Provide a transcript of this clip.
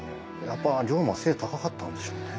やっぱ龍馬背高かったんでしょうね。